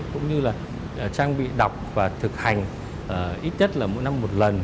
cũng như là trang bị đọc và thực hành ít nhất là mỗi năm một lần